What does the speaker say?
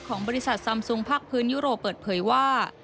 ของบริษัทซัมซุงภาคพื้นยุโรปเปิดเผยว่า